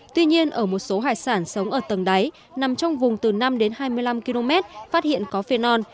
tuy nhiên ở một số hải sản sống ở tầng đáy nằm trong vùng từ năm đến hai mươi năm km phát hiện có phenol